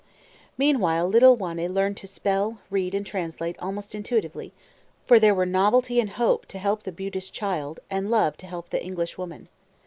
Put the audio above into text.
Meanwhile little Wanne learned to spell, read, and translate almost intuitively; for there were novelty and hope to help the Buddhist child, and love to help the English woman.